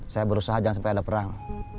saya berusaha jangan sampai ada perang